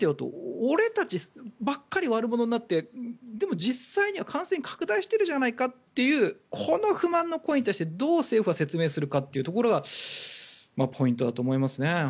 俺たちばっかり悪者になってでも実際には感染拡大してるじゃないかというこの不満の声に対してどう政府は説明するかというところがポイントだと思います。